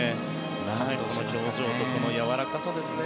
この表情とこのやわらかさですね。